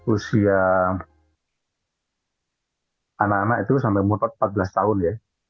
usia anak anak itu sampai umur empat belas tahun ya